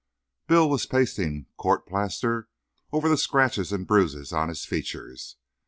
Bill was pasting court plaster over the scratches and bruises on his features.